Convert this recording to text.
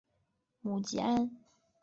母吉安。